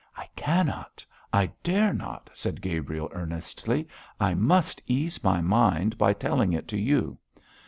'I cannot! I dare not!' said Gabriel, earnestly. 'I must ease my mind by telling it to you.